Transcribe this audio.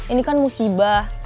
ini kan musibah